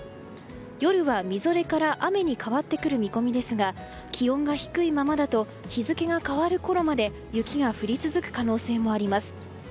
夜はみぞれから雨に変わってくる見込みですが気温が低いままだと日付が変わるころまで雪が降り続く可能性もあります。